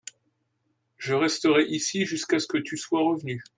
Je resterai ici jusqu'à ce que tu sois revenu.